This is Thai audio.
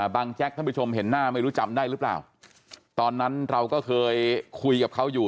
แจ๊กท่านผู้ชมเห็นหน้าไม่รู้จำได้หรือเปล่าตอนนั้นเราก็เคยคุยกับเขาอยู่